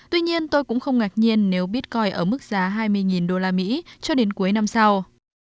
tuy nhiên tôi cũng không ngạc nhiên nếu bitcoin ở mức giá hai mươi usd cho đến cuối năm sau